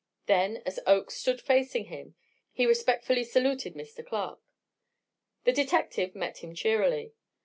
Then, as Oakes stood facing him, he respectfully saluted "Mr. Clark." The detective met him cheerily.